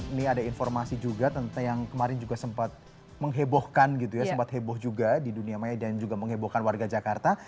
ini ada informasi juga tentang yang kemarin juga sempat menghebohkan gitu ya sempat heboh juga di dunia maya dan juga menghebohkan warga jakarta